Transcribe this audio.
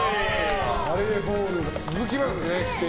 バレーボールが続きますね。